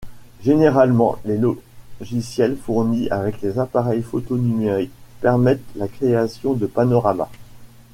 Généralement, les logiciels fournis avec les appareils photo numériques permettent la création de panorama.